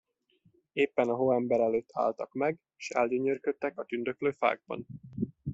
Éppen a hóember előtt álltak meg, s elgyönyörködtek a tündöklő fákban.